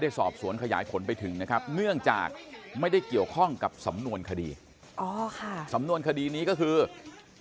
สอบสวนขยายผลไปถึงนะครับเนื่องจากไม่ได้เกี่ยวข้องกับสำนวนคดีอ๋อค่ะสำนวนคดีนี้ก็คือ